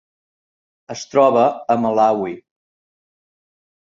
Es troba a Malawi.